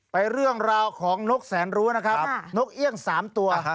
เรื่องราวของนกแสนรู้นะครับนกเอี่ยง๓ตัว